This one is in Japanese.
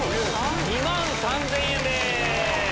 ２万３０００円です！